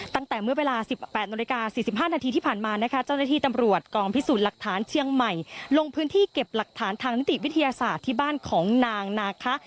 ตั้งแต่เมื่อเวลา๑๘นาฬิกา๔๕นาทีที่ผ่านมานะคะเจ้าหน้าที่ตำรวจกองพิสูจน์หลักฐานเชียงใหม่ลงพื้นที่เก็บหลักฐานทางนิติวิทยาศาสตร์ที่บ้านของนางนาคะ